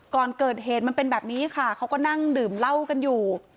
ก่อนเกิดเหตุมันเป็นแบบนี้ค่ะเขาก็นั่งดื่มเหล้ากันอยู่